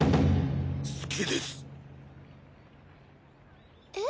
好きです！え？